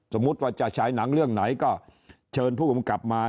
สมมุติว่าจะฉายหนังเรื่องไหนก็เชิญผู้กำกับมา